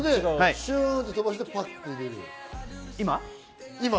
シュっとばしてパッと入れる。